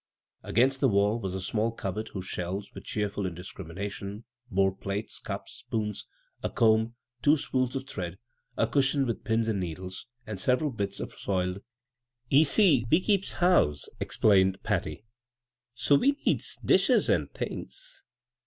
Against the wall was a small cupboard whose shelves, with cheerful indiscriminaticMi, bore plates, cups, spoons, a comb, two spools of thread, a cushion with pins and needles, and several bits of soiled ribbons. "Ye see, we keeps house," explained Patty, " so we needs dishes an' things.